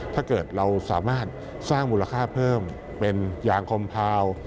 ถ้าเกิดเราสามารถสร้างมูลค่าเพิ่มเป็นยางคมพาว